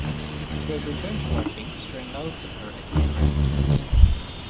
She would return to writing during lulls in her acting career.